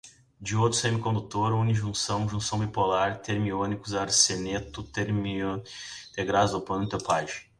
diodo semicondutor, unijunção, junção bipolar, termiônicos, arseneto, termiônica, integrados, dopante, dopagem